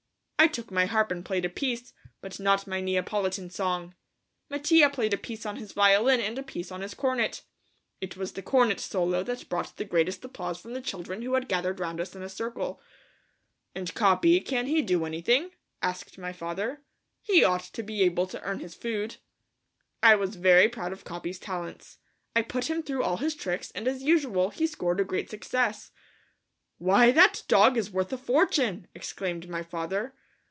I took my harp and played a piece, but not my Neapolitan song. Mattia played a piece on his violin and a piece on his cornet. It was the cornet solo that brought the greatest applause from the children who had gathered round us in a circle. "And Capi, can he do anything?" asked my father. "He ought to be able to earn his food." I was very proud of Capi's talents. I put him through all his tricks and as usual he scored a great success. "Why, that dog is worth a fortune," exclaimed my father.